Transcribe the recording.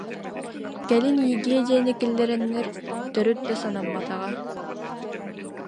Кэлин ЕГЭ диэни киллэрэннэр төрүт да санамматаҕа